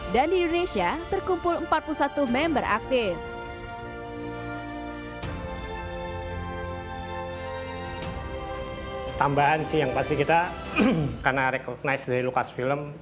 dan di indonesia terkumpul empat puluh satu member aktif